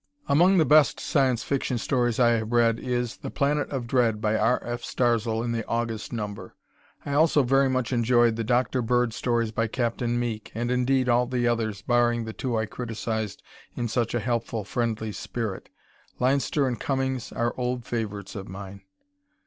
Among the best Science Fiction stories I have read is "The Planet of Dread," by R. F. Starzl in the August number. I also very much enjoyed the "Dr. Bird" stories by Capt. Meek, and indeed all the others, barring the two I criticized in such a helpful, friendly spirit. Leinster and Cummings are old favorites of mine.